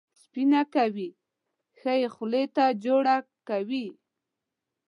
سپینه کوي، ښه یې خولې ته جوړه کوي.